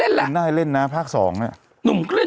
เป็นการกระตุ้นการไหลเวียนของเลือด